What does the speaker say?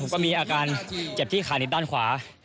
ก็มีอาการเจ็บที่ขานิดด้านขวา